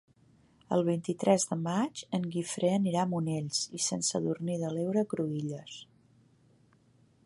El vint-i-tres de maig en Guifré anirà a Monells i Sant Sadurní de l'Heura Cruïlles.